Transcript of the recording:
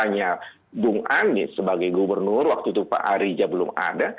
hanya bung anies sebagai gubernur waktu itu pak arija belum ada